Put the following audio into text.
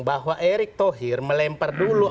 bahwa erick thohir melempar dulu